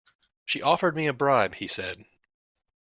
She offered me a bribe, he said.